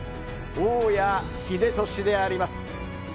大矢英俊であります。